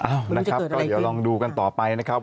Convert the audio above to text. อ้าวนะครับก็เดี๋ยวลองดูกันต่อไปนะครับ